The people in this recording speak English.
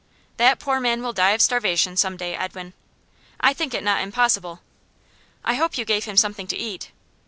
'That poor man will die of starvation, some day, Edwin.' 'I think it not impossible.' 'I hope you gave him something to eat?